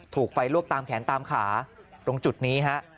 ถูกไฟลวกตามแขนตามขาตรงจุดนี้ฮะ